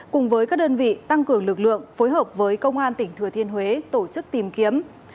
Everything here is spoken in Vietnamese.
cùng với các đơn vị tăng cường lực lượng phối hợp với công an tỉnh thừa thiên huế tổ chức tìm kiếm